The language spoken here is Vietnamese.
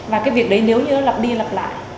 và cái việc đấy nếu như nó lặp đi lặp lại